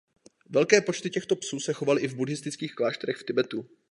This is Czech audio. Velké počty těchto psů se chovaly i v buddhistických klášterech v Tibetu.